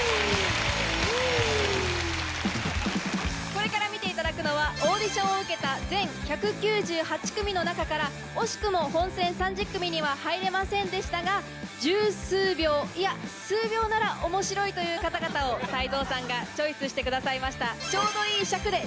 これから見ていただくのはオーディションを受けた全１９８組の中から惜しくも本戦３０組には入れませんでしたが１０数秒いや数秒なら面白いという方々を泰造さんがチョイスしてくださいました。